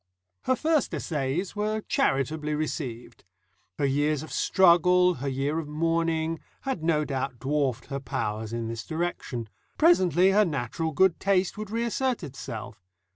Her first essays were charitably received. Her years of struggle, her year of mourning, had no doubt dwarfed her powers in this direction; presently her natural good taste would reassert itself.